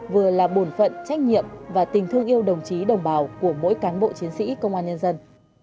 vừa là bổn phận trách nhiệm và tình thương yêu đồng chí đồng bào của mỗi cán bộ chiến sĩ công an nhân dân